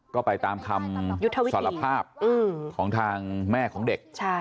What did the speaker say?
ก็ไปตามคำสารภาพของทางแม่ของเด็ก